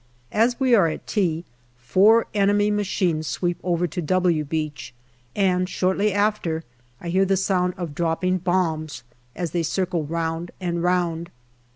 As we are at tea, four enemy machines sweep over to " W " Beach, and shortly after I hear the sound of dropping bombs as they circle round and round.